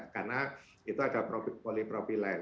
karena itu ada polipropilen